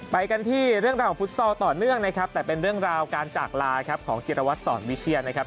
ไปกันที่เรื่องราวของฟุตซอลต่อเนื่องนะครับแต่เป็นเรื่องราวการจากลาครับของจิรวัตรสอนวิเชียนนะครับ